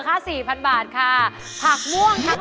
๑กิโลกรัมเหมือนกัน